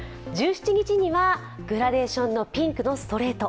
１７日はグラデーションのピンクのストレート。